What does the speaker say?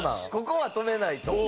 ここは止めないと。